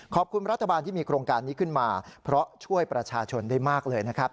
ขอบคุณรัฐบาลที่มีโครงการนี้ขึ้นมาเพราะช่วยประชาชนได้มากเลยนะครับ